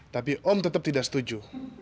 tapi om tetap tidak setuju